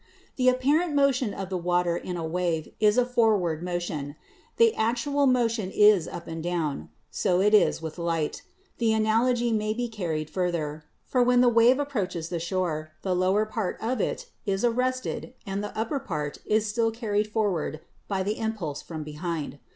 The apparent motion of the water in a wave is a forward motion ; the actual motion is up and down. So is it with light. The analogy may be carried further, for when the wave approaches the shore, the lower part of it is arrested and the upper part is still carried forward by the impulse from behind.